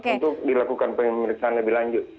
untuk dilakukan pemeriksaan lebih lanjut